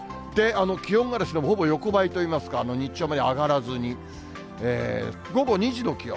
気温がほぼ横ばいといいますか、日中はあまり上がらずに、午後２時の気温。